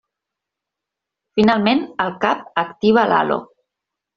Finalment, el Cap activa l'Halo.